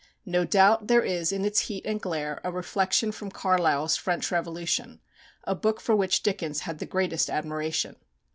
No doubt there is in its heat and glare a reflection from Carlyle's "French Revolution," a book for which Dickens had the greatest admiration.